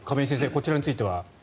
こちらについては。